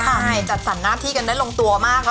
ใช่จัดสรรหน้าที่กันได้ลงตัวมากนะ